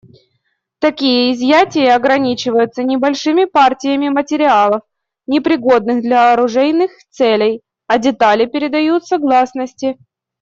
Такие изъятия ограничиваются небольшими партиями материалов, непригодных для оружейных целей, а детали предаются гласности.